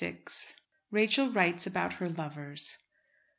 RACHEL WRITES ABOUT HER LOVERS.